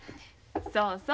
そうそう。